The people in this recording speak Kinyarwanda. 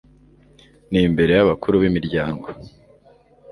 n'imbere y'abakuru b'imiryango